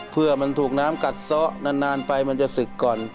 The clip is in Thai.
เพื่อมันถูกน้ำกัดซ้อนานไปมันจะศึกก่อน